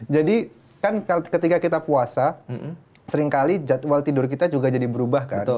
jadi kan ketika kita puasa seringkali jadwal tidur kita juga jadi berubah kan